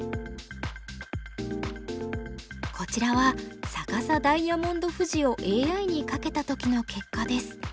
こちらは逆さダイヤモンド富士をＡＩにかけた時の結果です。